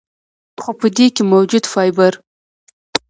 خو پۀ دې کښې موجود فائبر ،